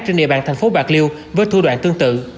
trên địa bàn thành phố bạc liêu với thu đoạn tương tự